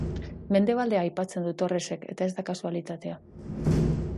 Mendebaldea aipatzen du Torresek, eta ez da kasualitatea.